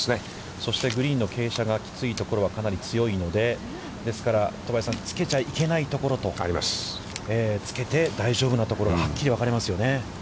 そしてグリーンの傾斜がきついところはかなり強いので、ですから、戸張さん、つけちゃいけないところと、つけて大丈夫なところがはっきり分かれますよね。